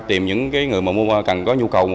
tìm những người mà cần có nhu cầu mua